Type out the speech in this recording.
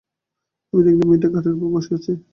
আমি দেখলাম, মেয়েটা খাটের উপর বসে আছে।